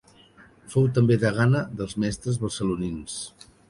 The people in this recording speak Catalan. Fou també degana dels mestres barcelonins.